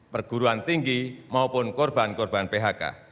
perguruan tinggi maupun korban korban phk